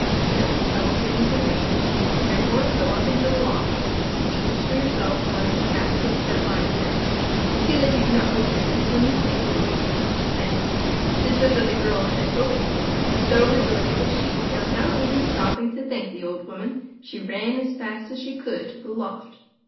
Still, I will give you some payment, therefore go up into the loft, and choose for yourself one of the caskets that lies there. But see that you do not open it till you place it where you wish it to stay.' This was what the girl had been hoping for, and so rejoiced was she, that, without even stopping to thank the old woman, she ran as fast as she could to the loft.